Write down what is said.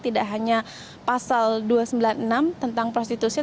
tidak hanya pasal dua ratus sembilan puluh enam tentang prostitusi